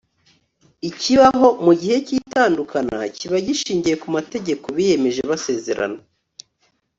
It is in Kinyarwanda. ikibaho mu gihe cy'itandukana kiba gishingiye ku mategeko biyemeje basezerana